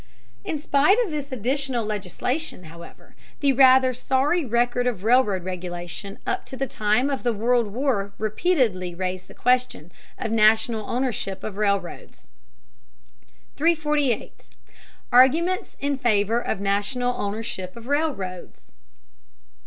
In spite of this additional legislation, however, the rather sorry record of railroad regulation up to the time of the World War repeatedly raised the question of national ownership of railroads. 348. ARGUMENTS IN FAVOR OF NATIONAL OWNERSHIP OF RAILROADS.